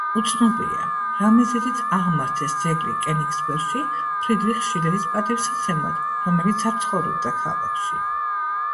უცნობია რა მიზეზით აღმართეს ძეგლი კენიგსბერგში ფრიდრიხ შილერის პატივსაცემად, რომელიც არ ცხოვრობდა ქალაქში.